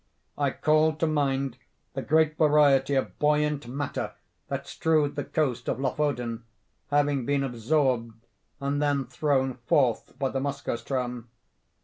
I called to mind the great variety of buoyant matter that strewed the coast of Lofoden, having been absorbed and then thrown forth by the Moskoe ström.